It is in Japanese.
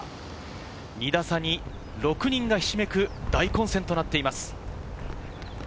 ２打差に６人がひしめく大混戦となっています。